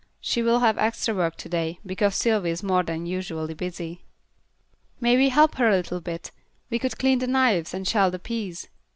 She will have extra work to day, because Sylvy is more than usually busy." "May we help her a little bit? We could clean the knives, and shell the peas."